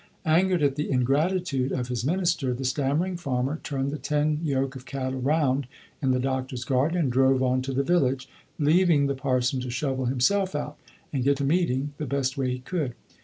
Angered at the ingratitude of his minister, the stammering farmer turned the ten yoke of cattle round in the doctor's garden, and drove on to the village, leaving the parson to shovel himself out and get to meeting the best way he could.